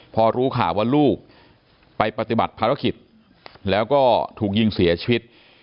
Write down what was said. พอรู้ข่าวว่าลูกไปปฏิบัติภารกิจแล้วก็ถูกยิงเสียชีวิต